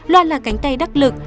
loan là cánh tay đắc lực